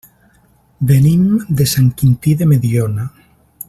Venim de Sant Quintí de Mediona.